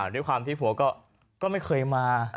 ด้วยความที่ผัวก็ไม่เคยมา